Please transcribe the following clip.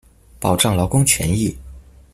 保障勞工權益